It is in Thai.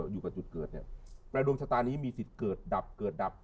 อยู่กับจุดเกิดเนี้ยแล้วดวงชะตานี้มีสิทธิ์เกิดดับ